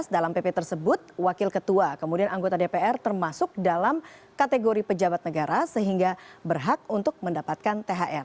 dalam pp tersebut wakil ketua kemudian anggota dpr termasuk dalam kategori pejabat negara sehingga berhak untuk mendapatkan thr